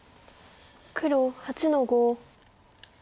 黒８の五。